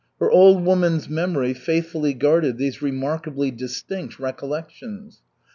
Her old woman's memory faithfully guarded these remarkably distinct recollections.